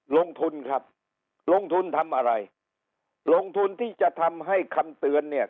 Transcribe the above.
ลงทุนครับลงทุนทำอะไรลงทุนที่จะทำให้คำเตือนเนี่ย